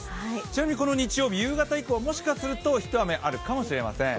ちなみにこの日曜日、夕方以降、もしかすると一雨あるかもしれません。